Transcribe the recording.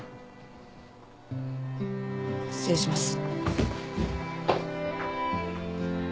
失礼します。